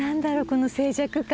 この静寂感。